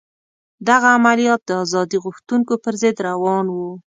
دغه عملیات د ازادي غوښتونکو پر ضد روان وو.